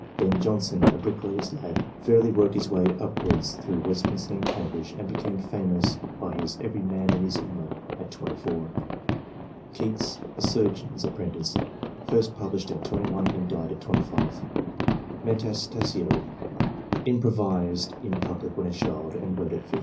Ben Jonson, a bricklayer's lad, fairly worked his way upwards through Westminster and Cam bridge, and became famous by his " Every Man in his Humour," at 24. Keats, a surgeon's apprentice, first pub lished at 21 and died at 25. Metastasio improvised in public when a child, and wrote at 15.